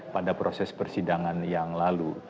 pada proses persidangan yang lalu